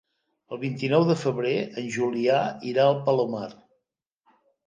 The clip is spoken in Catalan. El vint-i-nou de febrer en Julià irà al Palomar.